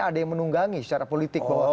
ada yang menunggangi secara politik bahwa